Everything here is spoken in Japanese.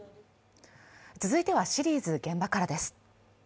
続いてはシリーズ「現場から」です。